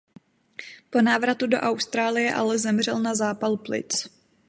Po návratu do Austrálie ale zemřel na zápal plic.